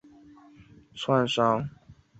湖边有铁路支线连接青藏铁路。